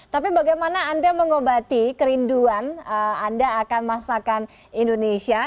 tapi bagaimana anda mengobati kerinduan anda akan masakan indonesia